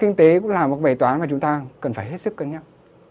kinh tế cũng là một bài toán mà chúng ta cần phải hết sức cân nhắc